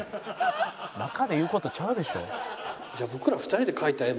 中で言う事ちゃうでしょ。